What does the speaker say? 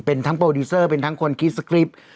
เป็นทั้งโปรดิวเซอร์คิดสคริปที่